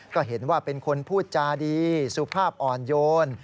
ก็เห็นว่าเป็นคนพูดจาดีสุภาพอ่อนโยน